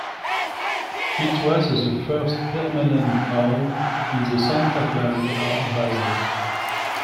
It was the first permanent town in the Santa Clarita Valley.